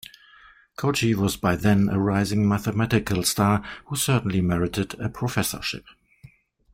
Cauchy was by then a rising mathematical star, who certainly merited a professorship.